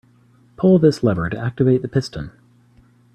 Pull this lever to activate the piston.